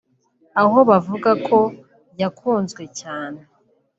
aho bavuga ko yakunzwe cyane